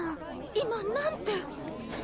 今何て。